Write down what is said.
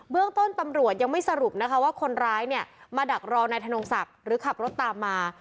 เรื่องต้นตำรวจยังไม่สรุปนะคะว่าคนร้ายเนี่ยมาดักรอนายธนงศักดิ์หรือขับรถตามมา